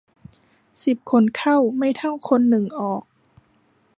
สิบคนเข้าไม่เท่าคนหนึ่งออก